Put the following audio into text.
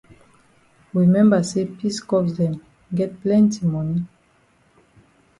We memba say peace corps dem get plenti moni.